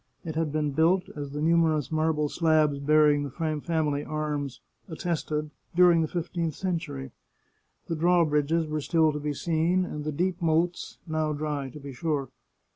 It had been built, as the numerous marble slabs bearing the family arms attested, during the fifteenth century. The drawbridges were still to be seen, and the deep moats — now dry, to be sure.